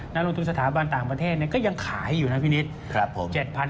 นักลงทุนสถาบันต่างประเทศก็ยังขายอยู่นะพี่นิด